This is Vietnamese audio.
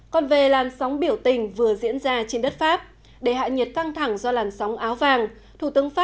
còn về làn sóng biểu tình vừa diễn ra trên đất pháp để hạ nhiệt căng thẳng do làn sóng áo vàng